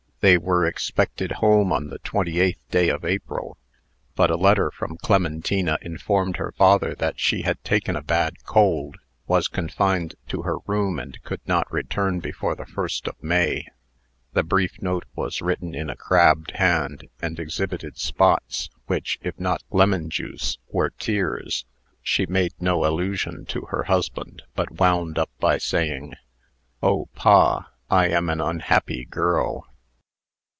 They were expected home on the 28th day of April; but a letter from Clementina informed her father that she had taken a bad cold, was confined to her room, and could not return before the 1st of May. The brief note was written in a crabbed hand, and exhibited spots, which, if not lemon juice, were tears. She made no allusion to her husband, but wound up by saying, "Oh, pa! I am an unhappy girl!"